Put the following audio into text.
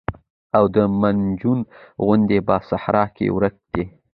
او د مجنون غوندې په صحرا کې ورک دى.